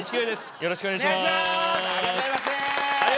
よろしくお願いします。